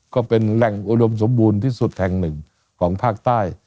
ก็เป็นแหล่งอุดมสมบูรณ์ที่สุดแห่งหนึ่งของภาคใต้